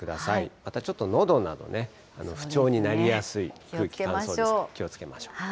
またちょっとのどなどね、不調になりやすい空気乾燥ですから、気をつけましょう。